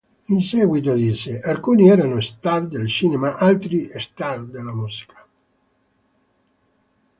In seguito disse: "Alcuni erano "star" del cinema, altri "star" della musica.